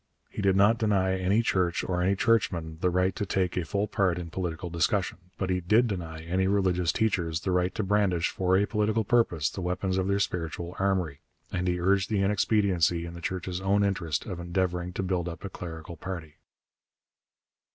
He did not deny any church or any churchman the right to take a full part in political discussion. But he did deny any religious teachers the right to brandish for a political purpose the weapons of their spiritual armoury; and he urged the inexpediency, in the Church's own interest, of endeavouring to build up a clerical party.